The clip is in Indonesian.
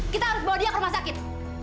kita harus bawa dia ke rumah sakit